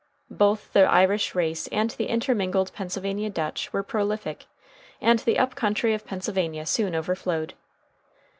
Both the Irish race and the intermingled Pennsylvania Dutch were prolific, and the up country of Pennsylvania soon overflowed.